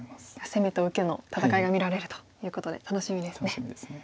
攻めと受けの戦いが見られるということで楽しみですね。